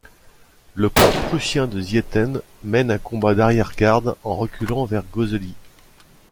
Le corps prussien de Ziethen mène un combat d'arrière-garde en reculant vers Gosselies.